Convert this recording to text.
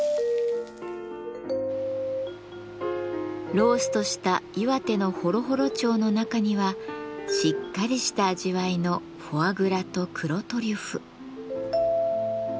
ローストした岩手のホロホロ鳥の中にはしっかりした味わいのフォアグラと黒トリュフ。